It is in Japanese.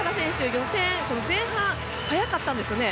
予選、前半速かったんですね。